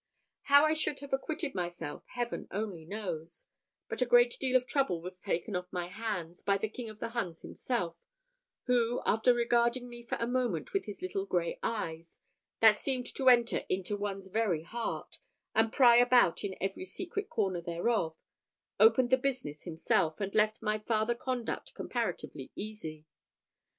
How I should have acquitted myself Heaven only knows; but a great deal of trouble was taken off my hands by the King of the Huns himself; who, after regarding me for a moment with his little grey eyes, that seemed to enter into one's very heart, and pry about in every secret corner thereof, opened the business himself, and left my farther conduct comparatively easy.